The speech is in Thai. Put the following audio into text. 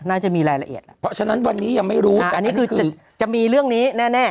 น่าจะมีรายละเอียดแล้วเพราะฉะนั้นวันนี้ยังไม่รู้แต่อันนี้คือจะมีเรื่องนี้แน่